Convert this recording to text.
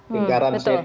lingkaran setan ya